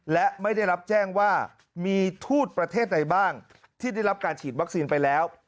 และไม่ได้รับแจ้งว่ามีทูตประเทศใดบ้างที่ได้รับการฉีดวัคซีนไปแล้ว